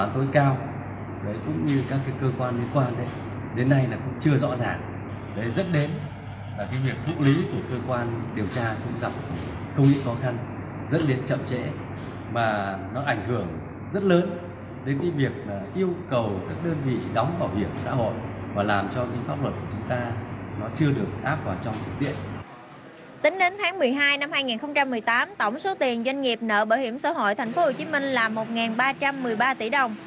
tính đến tháng một mươi hai năm hai nghìn một mươi tám tổng số tiền doanh nghiệp nợ bảo hiểm xã hội tp hcm là một ba trăm một mươi ba tỷ đồng